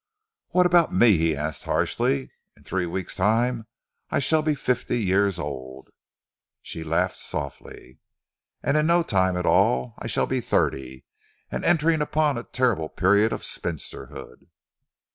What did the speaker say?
"What about me?" he asked harshly. "In three weeks' time I shall be fifty years old." She laughed softly. "And in no time at all I shall be thirty and entering upon a terrible period of spinsterhood!"